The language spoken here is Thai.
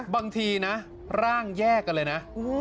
บางทีนะร่างแยกกันเลยนะ